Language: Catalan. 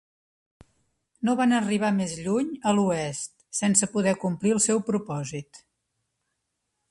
No van arribar més lluny a l'oest, sense poder complir el seu propòsit.